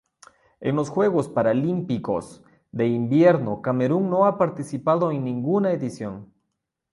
En los Juegos Paralímpicos de Invierno Camerún no ha participado en ninguna edición.